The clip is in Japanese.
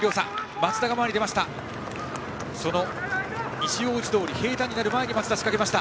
松田が前に出ました。